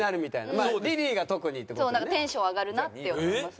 なんかテンション上がるなって思いますね。